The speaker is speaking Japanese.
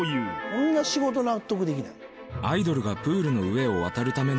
「そんな仕事納得できない？」